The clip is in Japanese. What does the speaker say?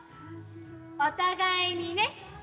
お互いにね。